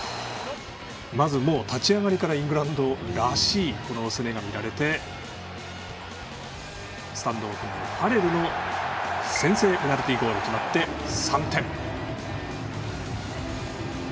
まず立ち上がりからイングランドらしい攻めが見られてスタンドオフ、ファレルの先制ゴールが決まって３点。